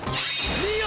見よ！